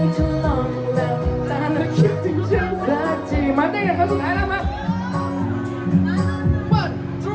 ฉันที่มีกลุ่มพิมพ์ไว้